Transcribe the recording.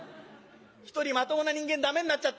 一人まともな人間ダメになっちゃった。